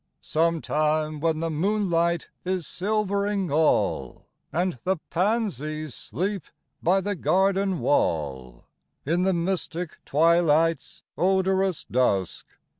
Sometime, when the moonlight is silvering all. And the pansies sleep by the garden wall, — In the mystic twilight's odorous dusk.